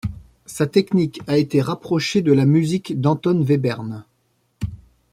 Sa technique a été rapprochée de la musique d'Anton Webern.